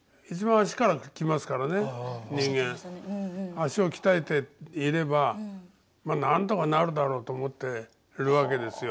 足を鍛えていればまあなんとかなるだろうと思っているわけですよ。